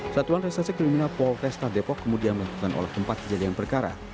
satuan restasi kriminal polkesta depok kemudian melakukan oleh empat kejadian perkara